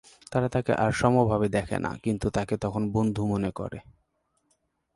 তারা তাকে আর সমভাবে দেখে না, কিন্তু তাকে তখনও বন্ধু মনে করে।